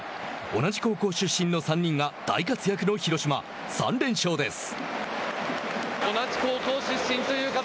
同じ高校出身の３人が大活躍の広島、３連勝です。